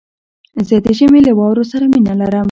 زه د ژمي له واورو سره مينه لرم